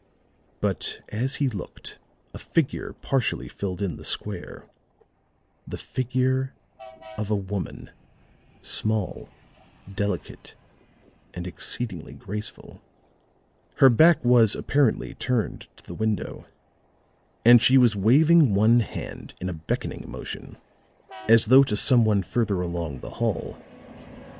But, as he looked, a figure partially filled in the square the figure of a woman, small, delicate and exceedingly graceful, her back was, apparently, turned to the window, and she was waving one hand in a beckoning motion as though to some one further along the hall.